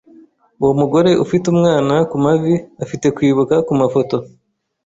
Uwo mugore ufite umwana kumavi afite kwibuka kumafoto.